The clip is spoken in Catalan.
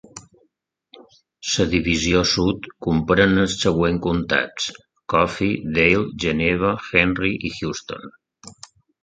La divisió sud comprèn els següents comtats: Coffee, Dale, Geneva, Henry i Houston.